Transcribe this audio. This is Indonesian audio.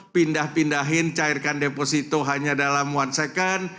pindah pindahin cairkan deposito hanya dalam one second